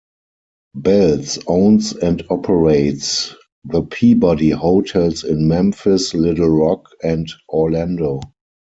Belz owns and operates the Peabody Hotels in Memphis, Little Rock, and Orlando.